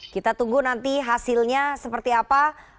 kita tunggu nanti hasilnya seperti apa